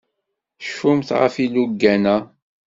Cfumt ɣef yilugan-a.